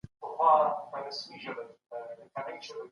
ټولنيز کارکوونکي له دې پايلو ګټه اخلي.